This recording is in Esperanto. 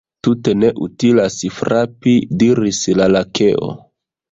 "Tute ne utilas frapi," diris la Lakeo.